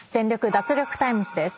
脱力タイムズ』です。